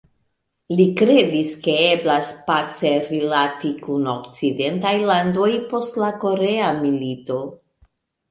Li kredis ke eblas pace rilati kun okcidentaj landoj post la Korea milito.